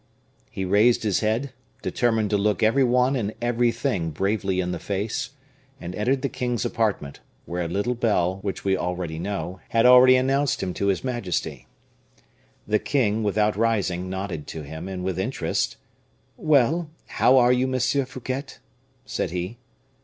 _ He raised his head, determined to look every one and everything bravely in the face, and entered the king's apartment, where a little bell, which we already know, had already announced him to his majesty. The king, without rising, nodded to him, and with interest: "Well! how are you, Monsieur Fouquet?" said he.